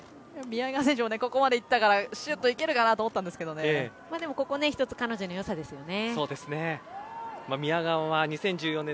宮川選手もここまでいったからシュートいけるかなと思ったんですがでもここ一つ彼女の良さですよね。